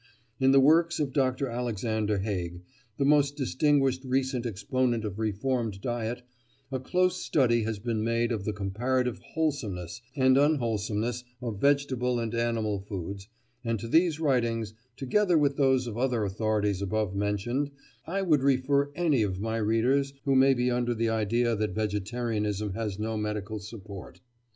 In the works of Dr. Alexander Haig, the most distinguished recent exponent of reformed diet, a close study has been made of the comparative wholesomeness and unwholesomeness of vegetable and animal foods, and to these writings, together with those of the other authorities above mentioned, I would refer any of my readers who may be under the idea that vegetarianism has no medical support.